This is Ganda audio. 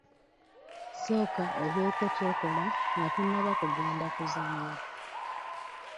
Sooka obeeko ky'okola nga tonnaba kugenda kuzannya.